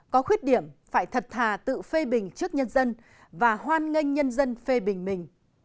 có khuyết điểm phải thật thà tự phê bình trước nhân dân và hoan nghênh nhân dân phê bình mình